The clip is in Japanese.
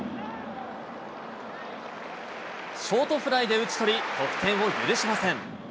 ショートフライで打ち取り、得点を許しません。